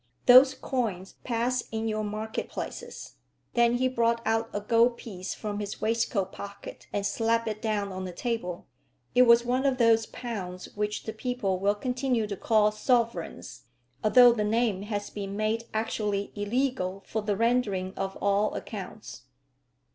"Those coins pass in your market places?" Then he brought out a gold piece from his waistcoat pocket, and slapped it down on the table. It was one of those pounds which the people will continue to call sovereigns, although the name has been made actually illegal for the rendering of all accounts.